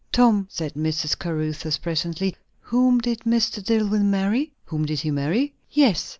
"Tom," said Mrs. Caruthers presently, "whom did Mr. Dillwyn marry?" "Whom did he marry?" "Yes.